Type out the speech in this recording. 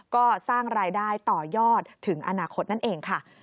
ก็สร้างรายได้ต่อยอดถึงอนาคตนั่นเองค่ะ